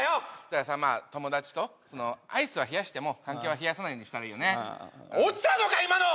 だからさまあ友達とアイスは冷やしても関係は冷やさないようにしたらいいよね落ちたのか今の？